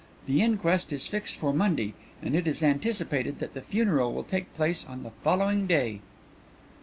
"'The inquest is fixed for Monday and it is anticipated that the funeral will take place on the following day.'"